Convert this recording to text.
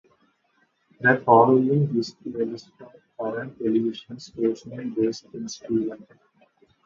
The following is a list of current television stations based in Sri Lanka.